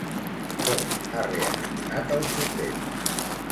Com ha reaccionat el Suprem?